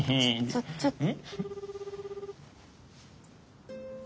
ちょちょっと。